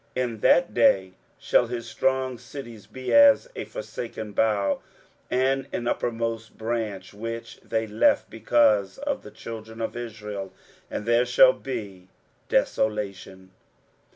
23:017:009 In that day shall his strong cities be as a forsaken bough, and an uppermost branch, which they left because of the children of Israel: and there shall be desolation.